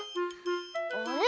あれ？